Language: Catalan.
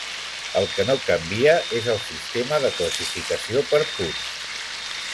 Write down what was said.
El que no canvia és el sistema de classificació per punts.